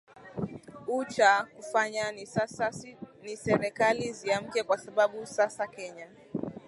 u cha kufanya ni sasa ni serikali ziamke kwa sababu sasa kenya